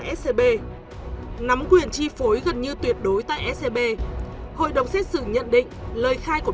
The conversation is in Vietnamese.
scb nắm quyền chi phối gần như tuyệt đối tại scb hội đồng xét xử nhận định lời khai của